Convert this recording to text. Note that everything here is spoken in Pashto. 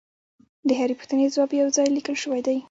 د هرې پوښتنې ځواب یو ځای لیکل شوی دی